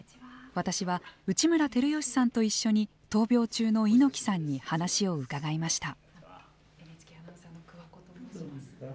私は内村光良さんと一緒に闘病中の猪木さんに話を伺いました。